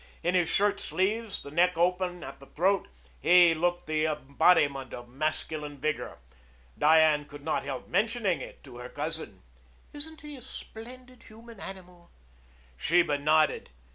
In his shirt sleeves, the neck open at the throat, he looked the embodiment of masculine vigor. Diane could not help mentioning it to her cousin. "Isn't he a splendid human animal?" Sheba nodded.